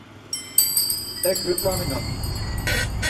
Ek viqvaminon.